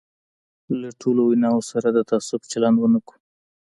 له ټولو ویناوو سره د تعصب چلند ونه کړو.